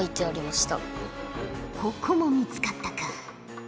ここも見つかったか。